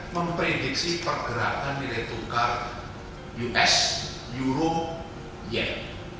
memprediksi pergerakan nilai tukar us euro year